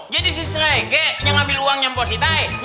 jadi si sege yang ngambil uangnya positai